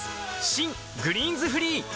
新「グリーンズフリー」